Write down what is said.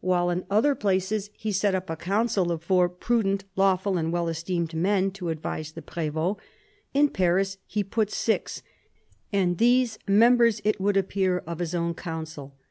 While in other places he set up a council of four "prudent, lawful, and well esteemed men" to advise the prev6t, in Paris he put six, and these members, it would appear, of his. own council.